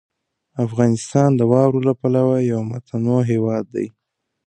افغانستان د واورو له پلوه یو متنوع هېواد دی.